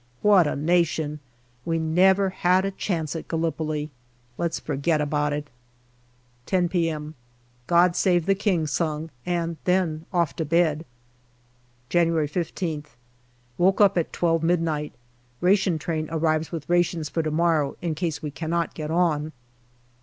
What a nation ! We never had a chance at Gallipoli. Let's forget about it. 10 p.m. " God save the King " sung, and then off to bed ! January \5th. Woke up at twelve midnight ; ration train arrives with rations for to morrow, in case we cannot get on.